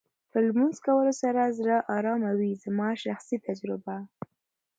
په لمونځ کولو سره زړه ارامه وې زما شخصي تجربه